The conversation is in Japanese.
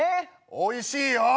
おいしいよ！